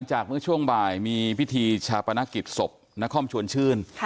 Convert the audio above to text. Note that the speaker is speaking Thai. เมื่อช่วงบ่ายมีพิธีชาปนกิจศพนครชวนชื่น